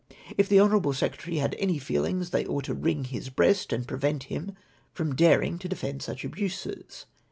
If the honourable secretary had any feelings they ought to wring his breast, and prevent him from daring to defend such abuses.